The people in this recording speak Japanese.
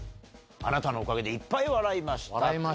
「あなたのおかげでいっぱい笑いました」。